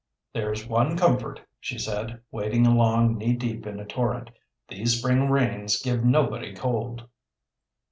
"There's one comfort," she said, wading along knee deep in a torrent. "These spring rains give nobody cold."